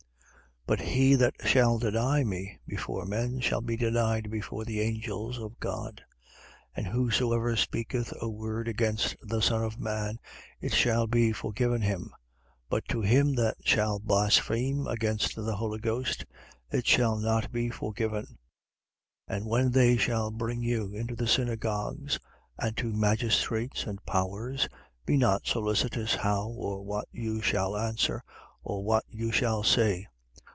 12:9. But he that shall deny me before men shall be denied before the angels of God. 12:10. And whosoever speaketh a word against the Son of man, it shall be forgiven him: but to him that shall blaspheme against the Holy Ghost, it shall not be forgiven. 12:11. And when they shall bring you into the synagogues and to magistrates and powers, be not solicitous how or what you shall answer, or what you shall say.